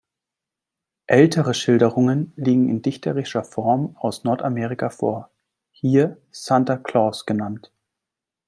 Ältere Schilderungen liegen in dichterischer Form aus Nordamerika vor, hier „Santa Claus“ genannt.